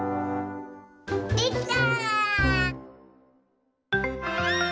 できた！